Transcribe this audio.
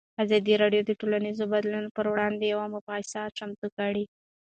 ازادي راډیو د ټولنیز بدلون پر وړاندې یوه مباحثه چمتو کړې.